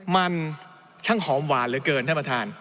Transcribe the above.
มันช่างหอมหวานเหลือเกินท่านประธาน